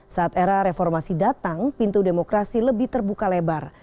saat era reformasi datang pintu demokrasi lebih terbuka lebar